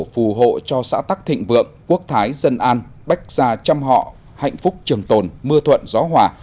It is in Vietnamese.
phù hộ cho xã tắc thịnh vượng quốc thái dân an bách gia trăm họ hạnh phúc trường tồn mưa thuận gió hòa